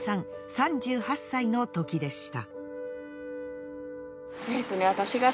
３８歳のときでした。